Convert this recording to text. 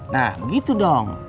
nah gitu dong